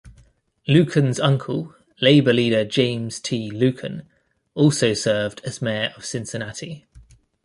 Luken's uncle, labor leader James T. Luken, also served as mayor of Cincinnati.